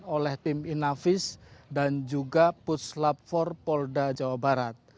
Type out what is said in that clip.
oleh pim inavis dan juga puslab for polda jawa barat